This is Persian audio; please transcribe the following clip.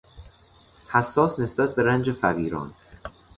حساس نسبت به رنج فقیران